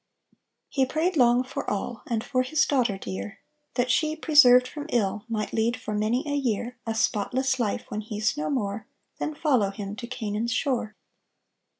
He prayed long for all, And for his daughter dear, That she, preserved from ill, Might lead for many a year A spotless life When he's no more; Then follow him To Canaan's shore.